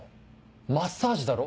マッサージだろ？